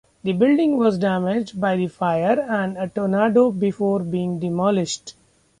The building was damaged by fire and a tornado before being demolished.